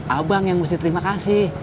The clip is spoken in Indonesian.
abang yang mesti terima kasih